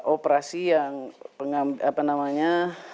operasi yang apa namanya